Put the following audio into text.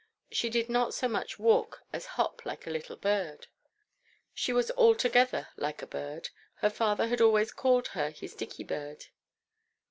She did not so much walk as hop like a little bird. She was altogether like a bird. Her father had always called her his dicky bird.